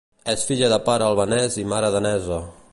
És filla de pare albanès i mare danesa.